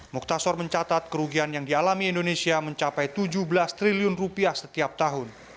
muktasor mencatat kerugian yang dialami indonesia mencapai tujuh belas triliun rupiah setiap tahun